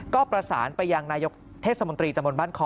ก็ประสานไปยังนายกเทศมนตรีตะมนต์บ้านคอ